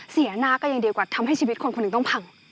เสียหน้าก็ยังดีกว่าทำให้ชีวิตคนคนหนึ่งต้องพัง